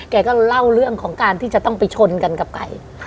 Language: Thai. แกก็เล่าเรื่องของการที่จะต้องไปชนกันกับไก่